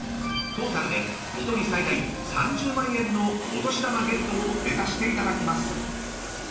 トータルで１人最大３０万円のお年玉ゲットを目指していただきます。